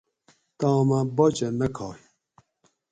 تامہ باچہ نہ کھاگ